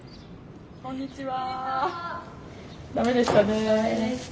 こんにちは。